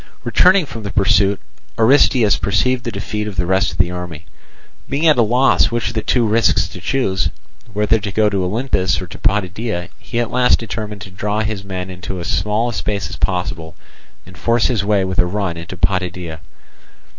Returning from the pursuit, Aristeus perceived the defeat of the rest of the army. Being at a loss which of the two risks to choose, whether to go to Olynthus or to Potidæa, he at last determined to draw his men into as small a space as possible, and force his way with a run into Potidæa.